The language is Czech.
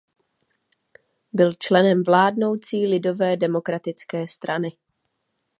Byl členem vládnoucí Lidové demokratické strany.